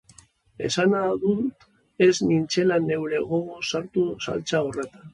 Esana dut ez nintzela neure gogoz sartu saltsa horretan.